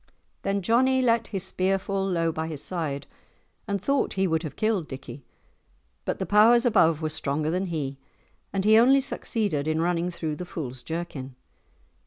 Then Johnie let his spear fall low by his side, and thought he would have killed Dickie, but the powers above were stronger than he, and he only succeeded in running through the fool's jerkin.